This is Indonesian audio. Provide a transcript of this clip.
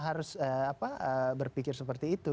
harus berpikir seperti itu